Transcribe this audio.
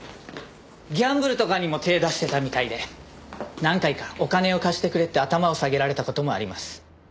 ギャンブルとかにも手出してたみたいで何回かお金を貸してくれって頭を下げられた事もあります。